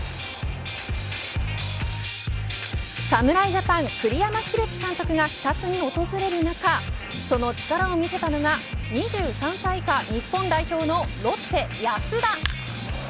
侍ジャパン、栗山英樹監督が視察に訪れる中その力を見せたのが、２３歳以下日本代表の、ロッテ安田。